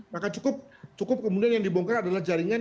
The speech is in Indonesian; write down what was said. maka cukup kemudian yang dibongkar adalah jaringan